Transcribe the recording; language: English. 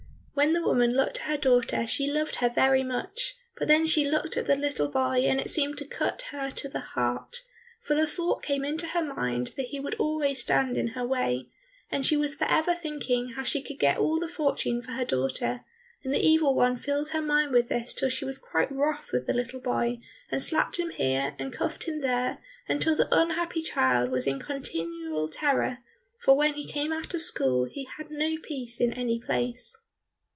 When the woman looked at her daughter she loved her very much, but then she looked at the little boy and it seemed to cut her to the heart, for the thought came into her mind that he would always stand in her way, and she was for ever thinking how she could get all the fortune for her daughter, and the Evil One filled her mind with this till she was quite wroth with the little boy, and slapped him here and cuffed him there, until the unhappy child was in continual terror, for when he came out of school he had no peace in any place.